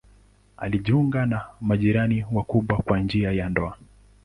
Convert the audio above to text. Alijiunga na majirani wakubwa kwa njia ya ndoa.